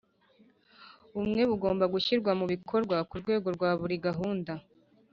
Ubumwe bugomba gushyirwa mu bikorwa ku rwego rwa buri gahunda